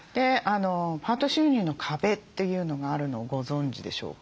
「パート収入の壁」というのがあるのをご存じでしょうか。